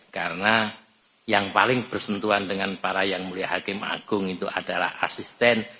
karena yang paling bersentuhan dengan para yang mulia hakim agung itu adalah asisten